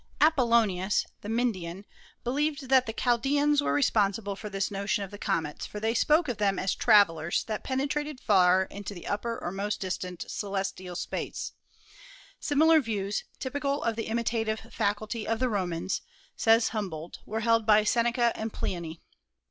Apollonius, the Myndian, believed that the Chaldeans were responsible for this notion of the comets ; for they spoke of them as trav elers that penetrated far into the upper or most distant celestial space. Similar views, typical of the imitative faculty of the Romans, says Humboldt, were held by Seneca and Pliny.